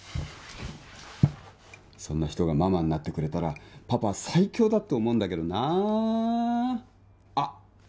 そんな人がママになってくれたらパパは最強だと思うんだけどなあっ